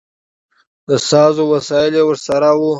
د ساز وسایل یې ورسره و.